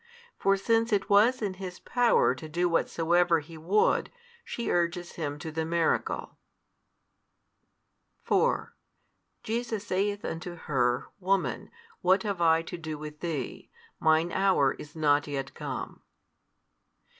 For since it was in His Power to do whatsoever He would, she urges Him to the miracle. 4 Jesus saith unto her Woman, what have I to do with thee? Mine hour is not yet come.